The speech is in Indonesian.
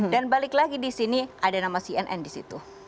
dan balik lagi di sini ada nama cnn di situ